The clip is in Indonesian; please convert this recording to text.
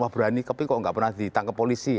berani tapi kok nggak pernah ditangkap polisi